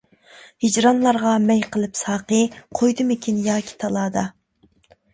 ھىجرانلارغا مەي قىلىپ ساقى, قويدىمىكىن ياكى تالادا.